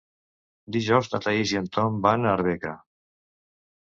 Dijous na Thaís i en Tom van a Arbeca.